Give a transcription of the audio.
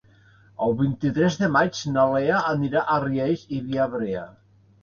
El vint-i-tres de maig na Lea anirà a Riells i Viabrea.